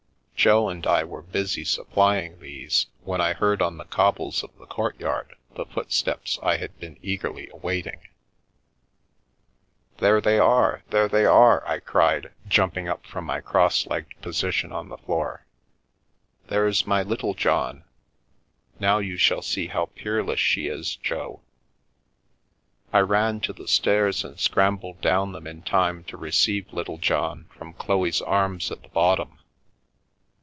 Jo and I were busy supplying these, when I heard on the cobbles of the courtyard the footsteps I had been eagerly awaiting. " There they are ! there they are !" I cried, jumping up from my cross legged position on the floor. " There's my LittlejohnI Now you shall see how peerless she is, Jb!" I ran to the stairs and scrambled down them in time to receive Littlejohn from Chloe's arms at the bottom.